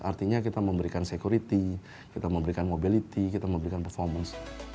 artinya kita memberikan security kita memberikan mobility kita memberikan performance